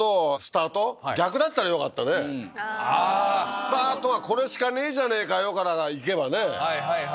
スタートはこれしかねぇじゃねぇかよから行けばね。